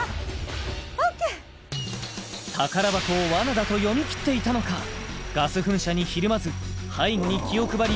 ＯＫ宝箱を罠だと読み切っていたのかガス噴射にひるまず背後に気を配り